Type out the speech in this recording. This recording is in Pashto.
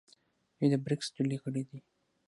دوی د بریکس ډلې غړي دي.